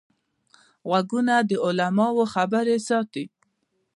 غوږونه د علماوو خبرې ساتي